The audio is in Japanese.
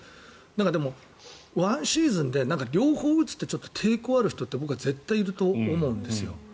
でも、ワンシーズンで両方打つってちょっと抵抗がある人って僕は絶対にいると思うんですよ。